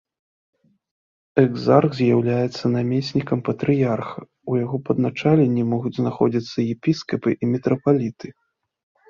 Экзарх з'яўляецца намеснікам патрыярха, у яго падначаленні могуць знаходзіцца епіскапы і мітрапаліты.